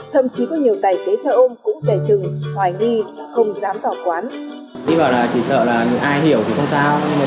thậm chí có nhiều tài xế xe ôm cũng dè chừng hoài nghi không dám tỏ quán